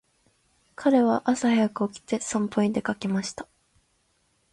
彼は朝早く起きて散歩に出かけました。